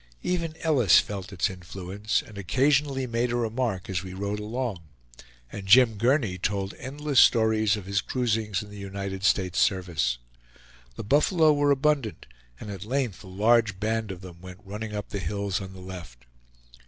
Even Ellis felt its influence, and occasionally made a remark as we rode along, and Jim Gurney told endless stories of his cruisings in the United States service. The buffalo were abundant, and at length a large band of them went running up the hills on the left.